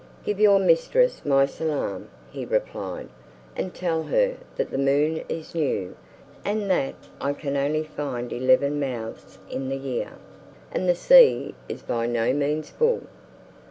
"Give your mistress my salaam," he replied, "and tell her that the moon is new, and that I can only find eleven mouths in the year, and the sea is by no means full."